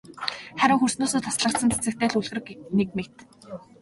Харин хөрснөөсөө таслагдсан цэцэгтэй л үлгэр нэг мэт.